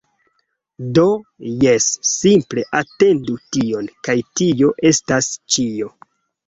Do, jes... simple atendu tion kaj tio estas ĉio